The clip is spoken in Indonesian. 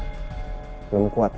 belum kuat ya